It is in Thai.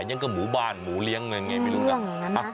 ยังก็หมู่บ้านหมูเลี้ยงยังไงไม่รู้ล่ะ